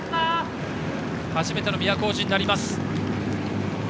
初めての都大路になります。